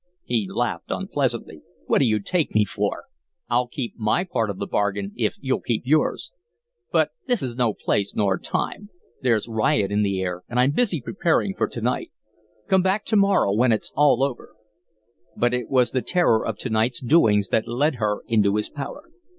He laughed unpleasantly. "What do you take me for? I'll keep my part of the bargain if you'll keep yours. But this is no place, nor time. There's riot in the air, and I'm busy preparing for to night. Come back to morrow when it's all over." But it was the terror of to night's doings that led her into his power.